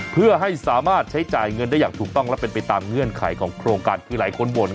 เพื่อให้สามารถใช้จ่ายเงินได้อย่างถูกต้องและเป็นไปตามเงื่อนไขของโครงการคือหลายคนบ่น